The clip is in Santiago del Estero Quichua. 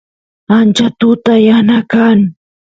ancha tuta yana kan